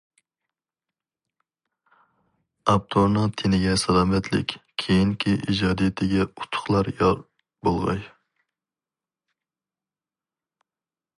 ئاپتورنىڭ تېنىگە سالامەتلىك، كېيىنكى ئىجادىيىتىگە ئۇتۇقلار يار بولغاي.